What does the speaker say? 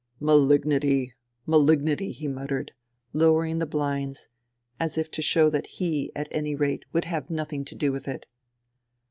" Malignity ! Malignity !" he mut tered, lowering the bhnds, as if to show that he, at any rate, would have nothing to do with it.